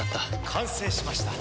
完成しました。